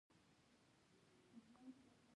د مذکر او مونث توپیر سخت دی.